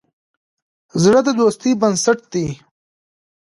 زړه د دوستی بنسټ دی.